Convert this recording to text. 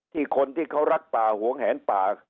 คนที่เขารักป่าหวงแหนป่า